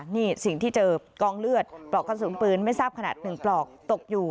นี่สิ่งที่เจอกล้องเลือดปลอกความสุดบื้อไม่ทราบขนาดหนึ่งปลอกตกอยู่